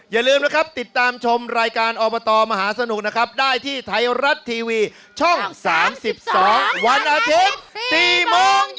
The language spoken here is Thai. อย่าลืมนะครับติดตามชมรายการอบตมหาสนุกนะครับได้ที่ไทยรัฐทีวีช่อง๓๒วันอาทิตย์๔โมง